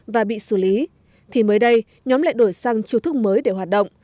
và bị xử lý thì mới đây nhóm lại đổi sang chiêu thức mới để hoạt động